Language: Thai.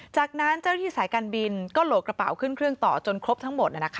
จากนั้นเจ้าหน้าที่สายการบินก็โหลกกระเป๋าขึ้นเครื่องต่อจนครบทั้งหมด